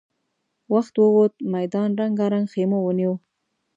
وخت ووت، ميدان رنګارنګ خيمو ونيو.